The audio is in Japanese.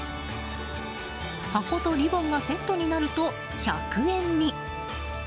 箱とリボンがセットになると１００円に。